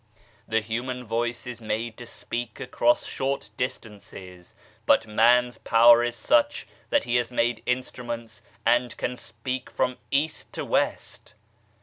The human voice is made to speak across short distances, but man's power is such that he has made instruments and can speak from East to West